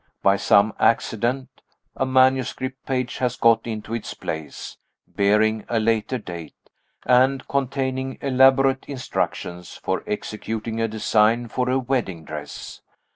By some accident, a manuscript page has got into its place, bearing a later date, and containing elaborate instructions for executing a design for a wedding dress.